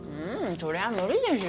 そりゃ無理でしょ